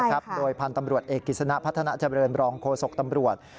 โดยพันธุ์ตำรวจเอกกิจสนะพัฒนาเจริญรองโฆษกตำรวจ